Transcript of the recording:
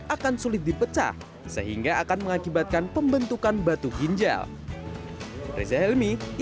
akan sulit dipecah sehingga akan mengakibatkan pembentukan batu ginjal